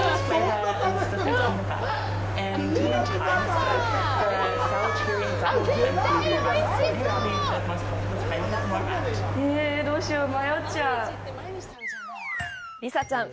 え、どうしよう、迷っちゃう。